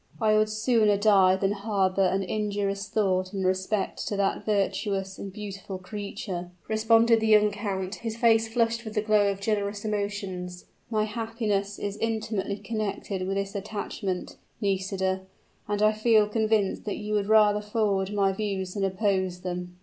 "I would sooner die than harbor an injurious thought in respect to that virtuous and beautiful creature!" responded the young count, his face flushed with the glow of generous emotions. "My happiness is intimately connected with this attachment, Nisida, and I feel convinced that you would rather forward my views than oppose them."